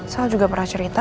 sal juga pernah cerita